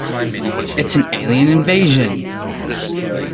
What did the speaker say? It's an Alien Invasion!